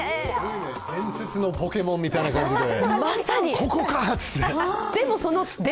伝説のポケモンみたいな感じで、いいね。